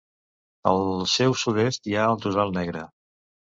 Al seu sud-est hi ha el Tossal Negre.